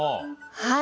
はい。